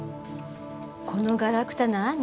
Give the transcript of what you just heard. このガラクタ何？